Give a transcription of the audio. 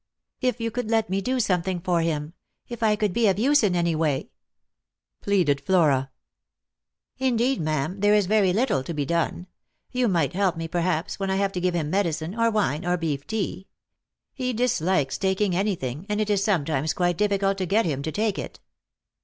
"If you could let me do something for him; if I could be of use, in any way," pleaded Flora. " Indeed, ma'am, there is very little to be done. You might help me, perhaps, when I have to give him medicine, or wine, or beef tea. He dislikes taking anything, and it is sometimes quite difficult to get him to take it."